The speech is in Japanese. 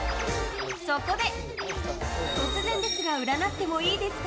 そこで「突然ですが占ってもいいですか？」